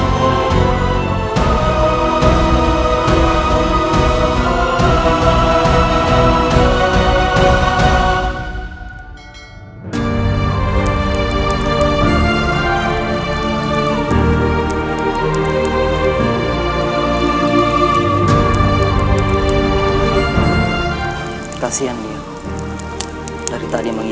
tetapi aled spider tidak kuning